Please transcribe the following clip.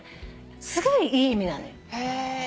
すごいいい意味なのよ。